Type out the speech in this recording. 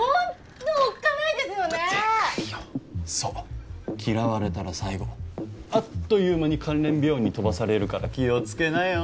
でかいよそう嫌われたら最後あっという間に関連病院に飛ばされるから気をつけなよ